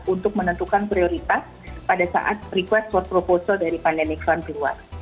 untuk menentukan prioritas pada saat request for proposal dari pandemic fund keluar